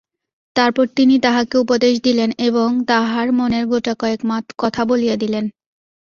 তারপর তিনি তাহাকে উপদেশ দিলেন এবং তাহার মনের গোটাকয়েক কথা বলিয়া দিলেন।